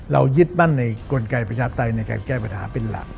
เรายิดมันในกลไกประชาภัยในการแก้ปฐาเป็นหลัก